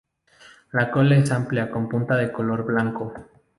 La cola es amplia con punta de color blanco.